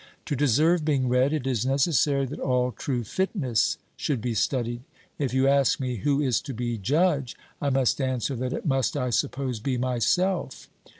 To deserve being read, it is necessary that all true fitness should be studied. If you ask me who is to be judge, I must answer that it must, I suppose, be myself.